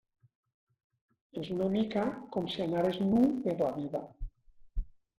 És una mica com si anares nu per la vida.